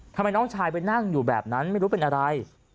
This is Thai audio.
ทำไมน้องชายไปนั่งอยู่แบบนั้นไม่รู้เป็นอะไร